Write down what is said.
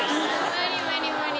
無理無理無理。